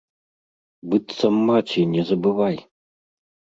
Быццам маці, не забывай.